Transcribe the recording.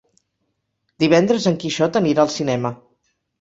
Divendres en Quixot anirà al cinema.